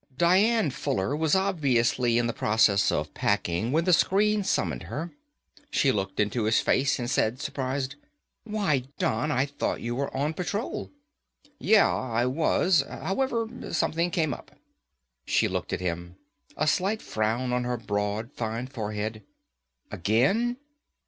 Dian Fuller was obviously in the process of packing when the screen summoned her. She looked into his face and said, surprised, "Why, Don, I thought you were on patrol." "Yeah, I was. However, something came up." She looked at him, a slight frown on her broad, fine forehead. "Again?"